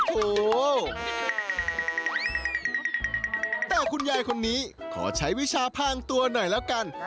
แท่คุณยายคนนี้ขอใช้วิชาพ่างตัวหน่อยละกัน